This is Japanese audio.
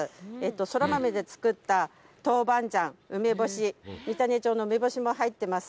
そら豆で作った豆板醤、梅干し、三種町の梅干しも入ってます。